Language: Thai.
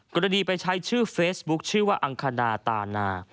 กรณีไปใช้ชื่อเฟซบุ๊คชื่อว่าอังคณาตานา